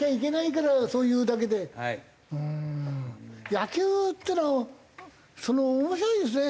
野球っていうのは面白いですね。